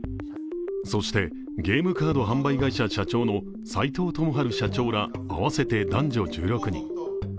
そしてゲームカード販売会社社長の斉藤友晴ら合わせて男女１６人。